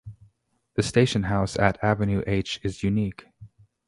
The station house at Avenue H is unique.